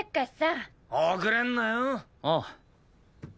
ああ。